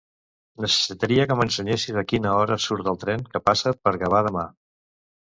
Necessitaria que m'ensenyessis a quina hora surt el tren que passa per Gavà demà.